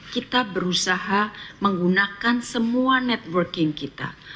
kita berusaha menggunakan semua networking kita